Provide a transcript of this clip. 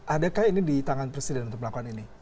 adakah ini di tangan presiden untuk melakukan ini